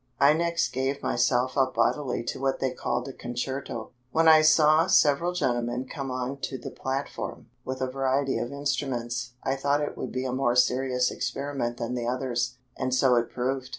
I next gave myself up bodily to what they called a "concerto." When I saw several gentlemen come on to the platform, with a variety of instruments, I thought it would be a more serious experiment than the others, and so it proved.